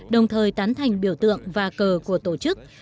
đồng thời tán thành biểu tượng và cờ của tổ chức